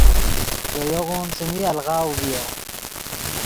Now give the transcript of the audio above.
دے یوغون څیمی الغاؤ ڤیو۔